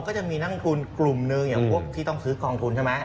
ก็จะมีนักลงทุนกลุ่มหนึ่งอย่างพวกที่ต้องซื้อกองทุนใช่ไหม